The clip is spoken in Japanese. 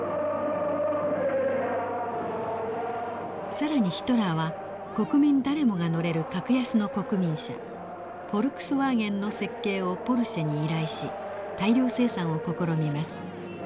更にヒトラーは国民誰もが乗れる格安の国民車フォルクスワーゲンの設計をポルシェに依頼し大量生産を試みます。